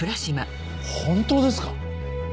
本当ですか？